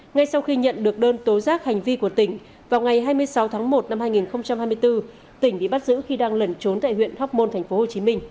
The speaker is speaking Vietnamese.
ngay sau khi nhận được đơn tố giác hành vi của tỉnh vào ngày hai mươi sáu tháng một năm hai nghìn hai mươi bốn tỉnh bị bắt giữ khi đang lẩn trốn tại huyện hóc môn tp hcm